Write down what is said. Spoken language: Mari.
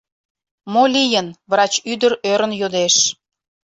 Мо лийын? — врач ӱдыр ӧрын йодеш.